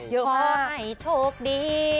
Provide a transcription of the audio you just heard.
ขอให้โชคดี